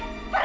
aku mau pergi